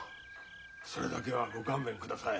それだけはご勘弁ください。